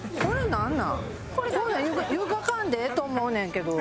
これ湯がかんでええと思うねんけど。